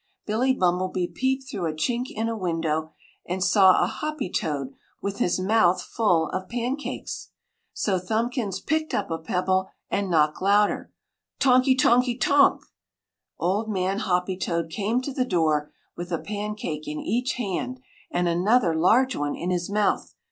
Billy Bumblebee peeped through a chink in a window, and saw a hoppy toad with his mouth full of pancakes. So Thumbkins picked up a pebble and knocked louder. TONKY TONKY TONK! Old Man Hoppy toad came to the door with a pancake in each hand and another large one in his mouth.